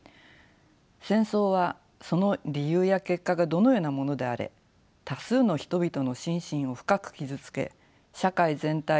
戦争はその理由や結果がどのようなものであれ多数の人々の心身を深く傷つけ社会全体に破壊的な影響を与えます。